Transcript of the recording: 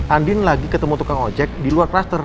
andin lagi ketemu tukang ojek di luar klaster